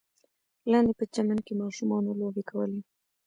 لاندې په چمن کې ماشومانو لوبې کولې.